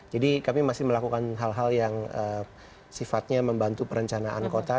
jadi kami masih melakukan hal hal yang sifatnya membantu perencanaan kota